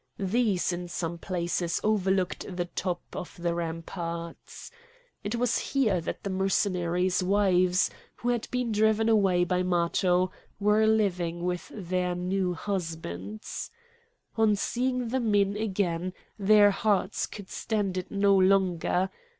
These in some places overlooked the top of the ramparts. It was here that the Mercenaries' wives, who had been driven away by Matho, were living with their new husbands. On seeing the men again their hearts could stand it no longer.